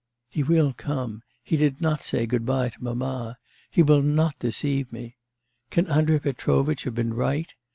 'He will come... he did not say good bye to mamma... he will not deceive me... Can Andrei Petrovitch have been right?